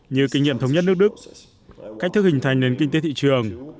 như kinh nghiệm thống nhất nước đức cách thức hình thành nền kinh tế thị trường